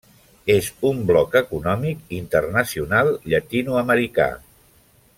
És un bloc econòmic internacional llatinoamericà.